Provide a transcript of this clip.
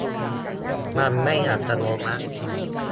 มันไม่อัตโนมัติ